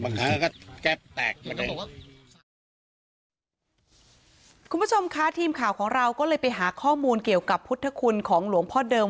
คุณผู้ชมคะทีมข่าวของเราก็เลยไปหาข้อมูลเกี่ยวกับพุทธคุณของหลวงพ่อเดิม